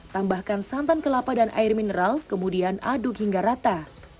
tambahkan santan kelapa dan air mineral kemudian aduk hingga rata